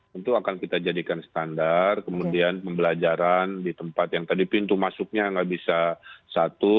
tentu akan kita jadikan standar kemudian pembelajaran di tempat yang tadi pintu masuknya nggak bisa satu